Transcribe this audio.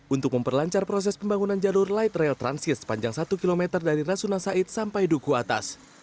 untuk memperlancar proses pembangunan jalur light rail transit sepanjang satu km dari rasuna said sampai duku atas